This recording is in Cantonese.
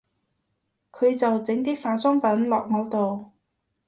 佢就整啲化妝品落我度